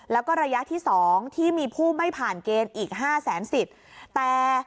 แล้วก็ระยะที่๒ที่มีผู้ไม่ผ่านเกณฑ์อีก๕แสนสิทธิ์แต่